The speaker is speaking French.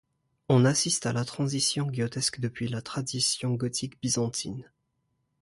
On assiste là à la transition giottesque depuis la tradition gothique-byzantine.